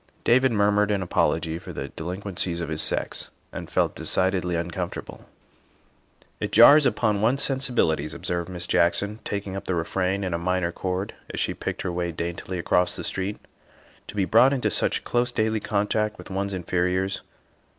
David murmured an apology for the delinquencies of his sex and felt decidedly uncomfortable. " It jars upon one's sensibilities," observed Miss Jackson, taking up the refrain in a minor chord as she picked her way daintily across the street, '' to be brought into such close daily contact with one's inferiors.